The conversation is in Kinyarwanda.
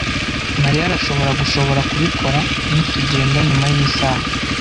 Mariya arashobora gushobora kubikora nitugenda nyuma yisaha.